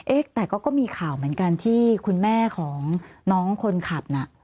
แต่ก็มีข่าวเหมือนกันที่คุณแม่ของน้องคนขับน่ะ